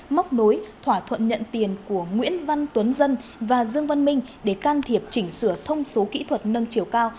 móc nối thỏa thuận nhận tiền của nguyễn văn tuấn dân và dương văn minh để can thiệp chỉnh sửa thông số kỹ thuật nâng chiều cao